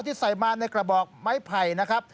ที่ใส่มาในกระบอกไม้ไผ่นะครับ